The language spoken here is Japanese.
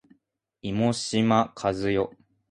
妹島和世